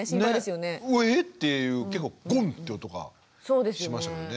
えっ⁉っていう結構「ゴン！」って音がしましたけどね。